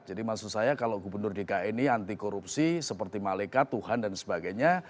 jadi maksud saya kalau gubernur dki ini anti korupsi seperti malekat tuhan dan sebagainya